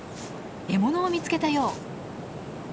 獲物を見つけたよう。